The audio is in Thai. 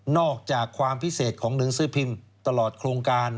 อกจากความพิเศษของหนังสือพิมพ์ตลอดโครงการ